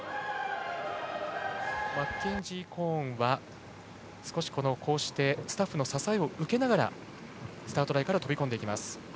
マッケンジー・コーンはスタッフの支えを受けながらスタート台から飛び込んでいきます。